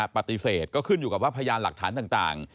ปฏิเสธก็ขึ้นอยู่กับว่าพยานหลักฐานต่าง